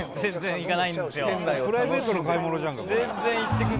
伊達：プライベートの買い物じゃんか、これ。